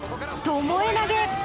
ともえ投げ。